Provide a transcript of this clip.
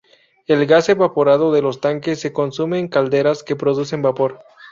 El gas evaporado de los tanques se consume en calderas que producen vapor.